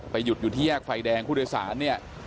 หยุดอยู่ที่แยกไฟแดงผู้โดยสารเนี่ย